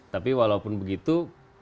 tapi walaupun begitu